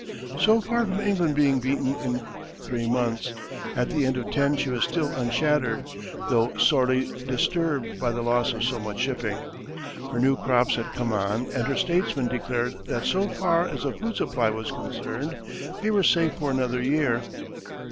So far from England being beaten in three months, at the end of ten she was still unshattered, though sorely disturbed by the loss of so much shipping. Her new crops had come on and her statesmen declared that so far as the food supply was concerned they were safe for another year.